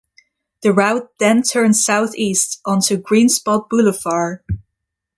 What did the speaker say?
The route then turns southeast onto Greenspot Boulevard.